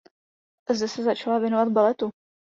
Zde se začala věnovat baletu.